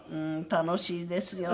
楽しいですよ。